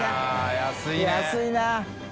安いな。